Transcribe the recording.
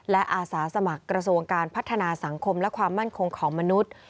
และอาสาสมัครกระทรวงการพัฒนาสังคมและความมั่นคงของมนุษย์